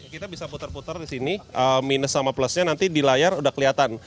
kita bisa putar putar di sini minus sama plusnya nanti di layar udah kelihatan